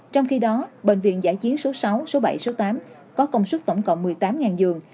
trong khi đó bệnh viện giải chiến số sáu số bảy số tám có công suất tổng cộng một mươi tám giường